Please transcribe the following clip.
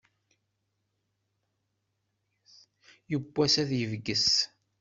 Yiwwas ad d-yebges.